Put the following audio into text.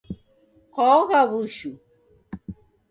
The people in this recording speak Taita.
Kwaogha w'ushu?